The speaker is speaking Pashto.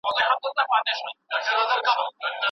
موږ به د پخوانیو څېړنو پر بنسټ نوي کارونه پیل کړو.